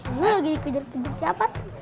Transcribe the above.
lu lagi dikejar kejar siapa tuh